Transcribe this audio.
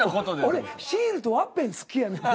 俺シールとワッペン好きやねん。